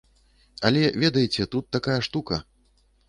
Але, ведаеце, тут такая штука.